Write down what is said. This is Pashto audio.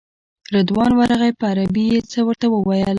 رضوان ورغی په عربي یې څه ورته وویل.